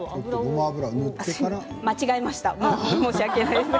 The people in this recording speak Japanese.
間違えました。